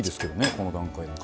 この段階でも。